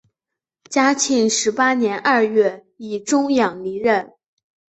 嘉庆十八年二月以终养离任。